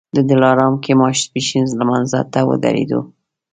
د دلارام کې ماسپښین لمانځه ته ودرېدو.